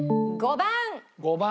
５番！